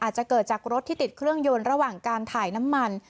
อาจจะเกิดจากรถที่ติดเครื่องยนต์ระหว่างการถ่ายน้ำมัน